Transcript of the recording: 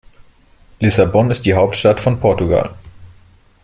Lissabon ist die Hauptstadt von Portugal.